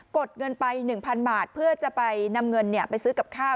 ดเงินไป๑๐๐๐บาทเพื่อจะไปนำเงินไปซื้อกับข้าว